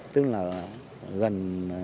tức là gần